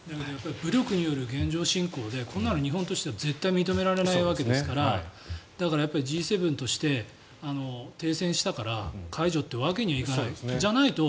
武力による現状侵攻でこんな日本としては絶対に認められないわけでだからＧ７として停戦したから解除というわけにはいかない。